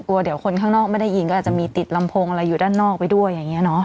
กลัวเดี๋ยวคนข้างนอกไม่ได้ยินก็อาจจะมีติดลำโพงอะไรอยู่ด้านนอกไปด้วยอย่างนี้เนอะ